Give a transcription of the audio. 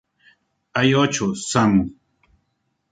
Hay ocho Samu.